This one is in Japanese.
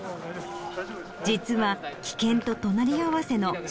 実は危険と隣り合わせの職人芸。